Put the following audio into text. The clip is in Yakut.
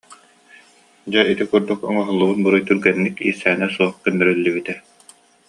Дьэ ити курдук оҥоһуллубут буруй түргэнник, иирсээнэ суох көннөрүллүбүтэ